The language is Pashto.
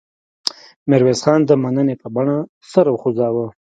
میرویس خان د مننې په بڼه سر وخوځاوه.